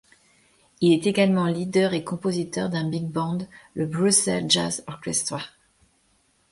Il est également leader et compositeur d’un big band, le Brussels Jazz Orchestra.